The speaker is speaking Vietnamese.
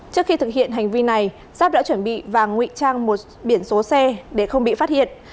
trước khi thực hiện hành vi này giáp đã chuẩn bị vàng nguy trang một biển số xe để không bị phát hiện